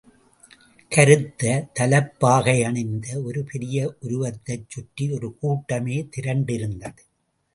கருத்த, தலைப்பாகையணிந்த ஒரு பெரிய உருவத்தைச் சுற்றி ஒரு கூட்டமே திரண்டிருந்தது.